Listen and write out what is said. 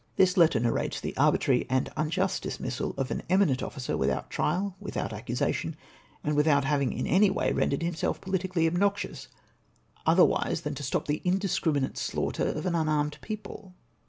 This letter narrates the arbitrary and unjust dismissal of an eminent officer without trial, without accusation, and without having in any way rendered himself poli tically obnoxious, otherwise than to stop the indiscri minate slaughter of an unarmed people.